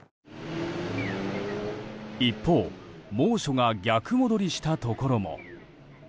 一方猛暑が逆戻りしたところも。